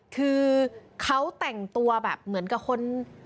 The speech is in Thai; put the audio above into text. คือเขาแต่งตัวแบบเหมือนกับคน